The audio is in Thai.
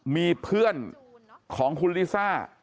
มีเพื่อนของคุณลิซ่า